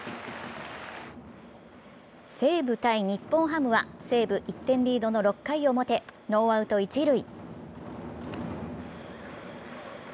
西武対日本ハムは西武１点リードの６回表ノーアウト一塁。